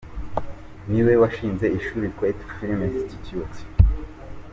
Ni we washinze ishuri Kwetu Film Institute.